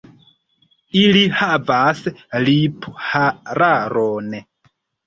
Ili havas liphararon.